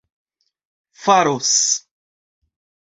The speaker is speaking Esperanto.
faros